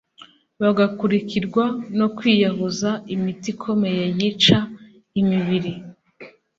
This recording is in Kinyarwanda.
bugakurikirwa no kwiyahuza imiti ikomeye yica imibiri